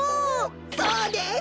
そうです。